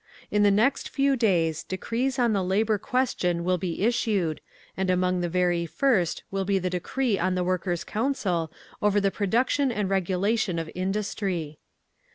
In the next few days decrees on the Labour question will be issued, and among the very first will be the decree on Workers' Control over the production and regulation of Industry.